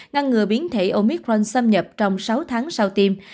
ngăn ngừa biến thể omicron xâm nhập trong sáu tháng sau tiêm